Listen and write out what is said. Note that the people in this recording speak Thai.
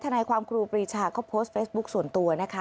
นายความครูปรีชาก็โพสต์เฟซบุ๊คส่วนตัวนะคะ